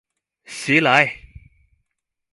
襲來！